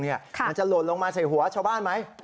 มันจะหล่นลงมาใส่หัวชาวบ้านไหม